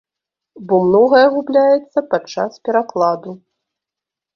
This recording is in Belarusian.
Бо многае губляецца падчас перакладу.